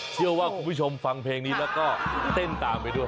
เชื่อว่าคุณผู้ชมฟังเพลงนี้แล้วก็เต้นตามไปด้วย